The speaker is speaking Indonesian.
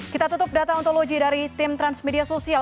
kita tutup data ontologi dari tim transmedia sosial